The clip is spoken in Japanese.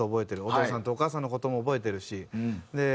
お父さんとお母さんの事も覚えてるし。